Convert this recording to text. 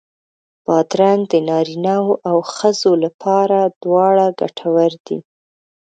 بادرنګ د نارینو او ښځو لپاره دواړو ګټور دی.